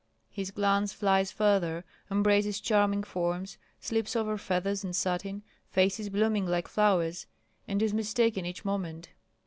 His glance flies farther, embraces charming forms, slips over feathers and satin, faces blooming like flowers, and is mistaken each moment.